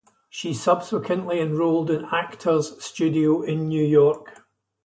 She subsequently enrolled in Actors Studio in New York.